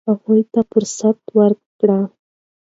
هغوی ته فرصت ورکړئ.